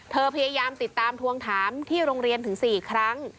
พยายามติดตามทวงถามที่โรงเรียนถึง๔ครั้ง